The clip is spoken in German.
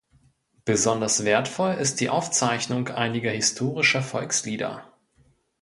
Besonders wertvoll ist die Aufzeichnung einiger historischer Volkslieder.